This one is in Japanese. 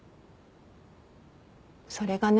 それがね